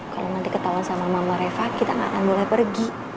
kalo nanti ketahuan sama mama sama reva kita gak akan boleh pergi